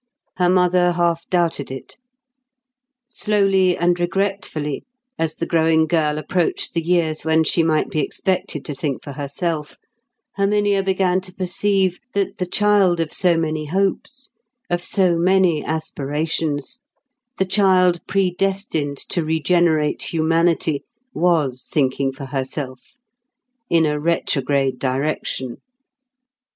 Her mother half doubted it. Slowly and regretfully, as the growing girl approached the years when she might be expected to think for herself, Herminia began to perceive that the child of so many hopes, of so many aspirations, the child predestined to regenerate humanity, was thinking for herself—in a retrograde direction.